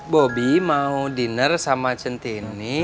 bobi mau dinner sama centini